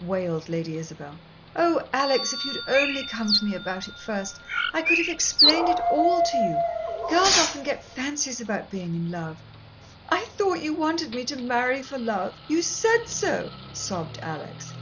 wailed Lady Isabel. "Oh, Alex, if you'd only come to me about it first I could have explained it all to you girls often get fancies about being in love." "I thought you wanted me to marry for love. You said so," sobbed Alex.